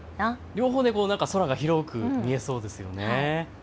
両方、空が広く見えそうですよね。